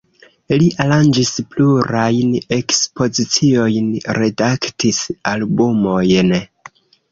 Li aranĝis plurajn ekspoziciojn, redaktis albumojn.